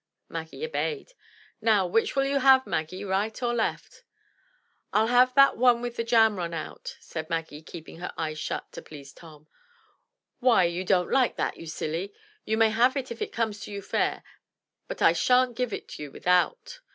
Maggie obeyed. "Now which'U you have, Maggie, — right or left?" "I'll have that with the jam run out," said Maggie, keeping her eyes shut to please Tom. "Why, you don't like that, you silly. You may have it if it comes to you fair, but I shan't give it you without.